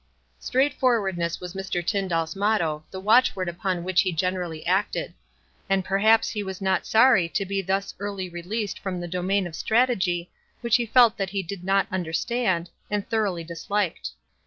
Straightforwardness was Mr.Tyndall's motto, the watchword upon which he generally acted ; and perhaps he was not sorry to be thus early released from the domain of strategy, which he felt that he did not understand, and thoroughly disliked.